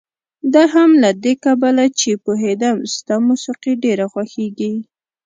دا هم له دې کبله چې پوهېدم ستا موسيقي ډېره خوښېږي.